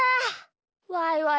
ワイワイ！